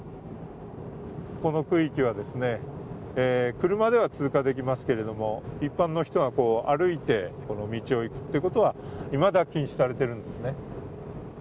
この区域は、車では通過できますけれども一般の人は歩いて道を行くことはいまだ禁止されているんですね。